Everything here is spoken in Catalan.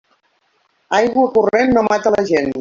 Aigua corrent no mata la gent.